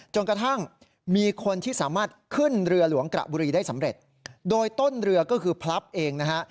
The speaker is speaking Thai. จนกระทั่งมีคนที่สามารถขึ้นเรือหลวงกระบุรีได้สำเร็จโดยต้นเรือก็คือพลับเองนะฮะ